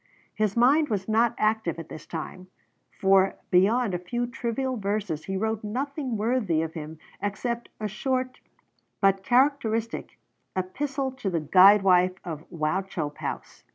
His mind was not active at this time, for beyond a few trivial verses he wrote nothing worthy of him except a short but characteristic 'Epistle to the Guidwife of Wauchope House.'